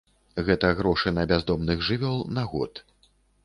Гэта грошы на бяздомных жывёл на год.